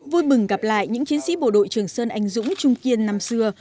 vui mừng gặp lại những chiến sĩ bộ đội trường sơn anh dũng trung kiên năm xưa